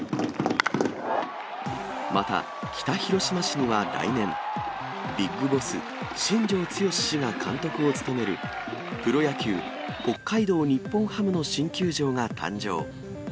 また北広島市には来年、ビッグボス、新庄剛志氏が監督を務める、プロ野球・北海道日本ハムの新球場が誕生。